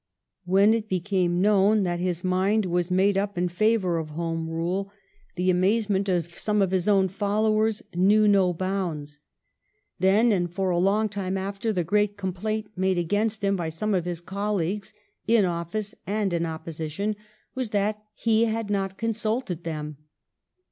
When it became known that his mind was made up in favor of Home Rule the amazement of some 366 THE STORY OF GLADSTONE'S LIFE of his own followers knew no bounds. Then, and for long after, the great complaint made against him by some of his colleagues, in office and in opposition, was that he had not consulted them.